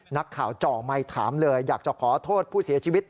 นักข่าวจ่อไมค์ถามเลยอยากจะขอโทษผู้เสียชีวิต